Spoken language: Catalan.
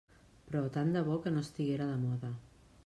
Però tant de bo que no estiguera de moda.